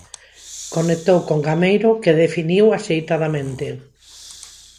Conectou con Gameiro, que definiu axeitadamente.